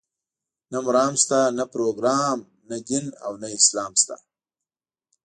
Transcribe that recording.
نه مرام شته، نه پروګرام، نه دین او نه اسلام شته.